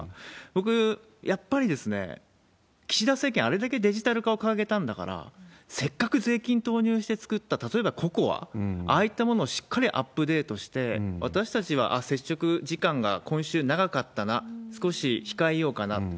僕、やっぱり岸田政権、あれだけデジタル化を掲げたんだから、せっかく税金投入して作った、例えばＣＯＣＯＡ、ああいったものをしっかりアップデートして、私たちは接触時間が今週長かったな、少し控えようかなと。